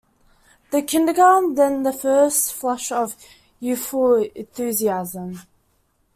The Kindergarten, then in the first flush of youthful enthusiasm.